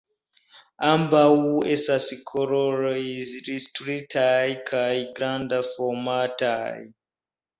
Ambaŭ estas kolore ilustritaj kaj grandformataj.